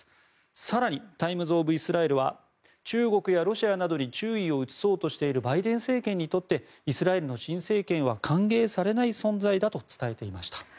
更にタイムズ・オブ・イスラエルは中国やロシアなどに注意を移そうとしているバイデン政権にとってイスラエルの新政権は歓迎されない存在だと伝えていました。